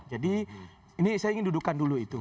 jadi ini saya ingin dudukkan dulu itu